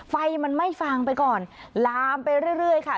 ไฟมันไหม้ฟางไปก่อนลามไปเรื่อยค่ะ